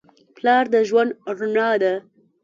پلار د ژوند رڼا ده.